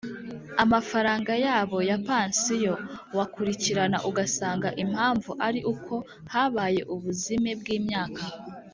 Amafaranga yabo ya pansiyo wakurikirana ugasanga impamvu ari uko habaye ubuzime bw imyaka